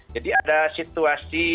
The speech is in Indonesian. jadi ada situasi